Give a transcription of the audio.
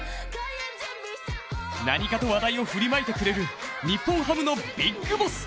何かと話題を振りまいてくれる日本ハムのビッグボス。